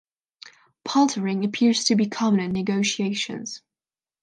Paltering appears to be common in negotiations.